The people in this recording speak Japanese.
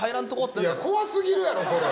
いや怖すぎるやろこれ。